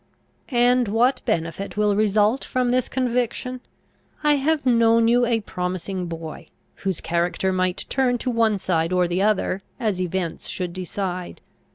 "And what benefit will result from this conviction? I have known you a promising boy, whose character might turn to one side or the other as events should decide.